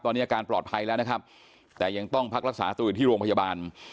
ตอนนี้อาการปลอดภัยแล้วนะครับแต่ยังต้องพักรักษาตัวอยู่ที่โรงพยาบาล